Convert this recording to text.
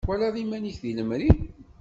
Twalaḍ iman-ik deg lemri.